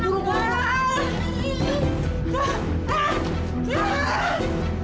udah udah pak